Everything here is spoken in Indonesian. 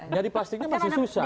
nyari plastiknya masih susah